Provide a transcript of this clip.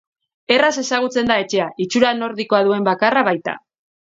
Erraz ezagutzen da etxea, itxura nordikoa duen bakarra baita.